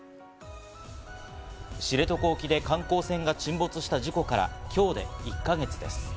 知床沖で観光船が沈没した事故から今日で１か月です。